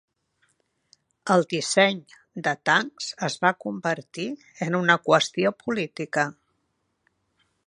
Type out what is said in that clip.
El disseny de tancs es va convertir en una qüestió política.